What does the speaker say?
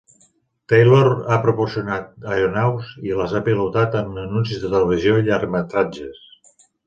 Taylor ha promocionat aeronaus i les ha pilotat en anuncis de televisió i llargmetratges.